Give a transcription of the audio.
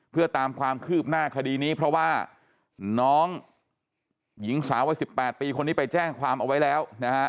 เพื่อตามความคืบหน้าคดีนี้เพราะว่าน้องหญิงสาววัย๑๘ปีคนนี้ไปแจ้งความเอาไว้แล้วนะฮะ